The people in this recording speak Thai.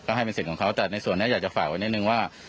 ก็ให้เป็นสิทธิ์ของเขาแต่ในส่วนนี้อยากจะฝากไว้นิดนึงว่า